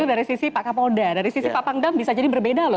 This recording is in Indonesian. dari sisi pak kapolda dari sisi pak pangdam bisa jadi berbeda loh